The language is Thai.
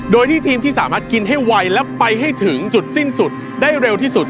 โดยที่ทีมที่สามารถกินให้ไวและไปให้ถึงสุดสิ้นสุดได้เร็วที่สุด